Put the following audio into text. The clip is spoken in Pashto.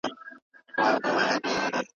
ډاکټر بالاتا د ټېکنالوژۍ اغېزې بیانوي.